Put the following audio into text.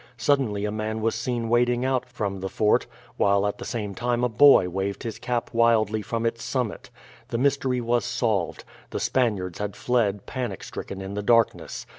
Suddenly a man was seen wading out from the fort, while at the same time a boy waved his cap wildly from its summit. The mystery was solved. The Spaniards had fled panic stricken in the darkness.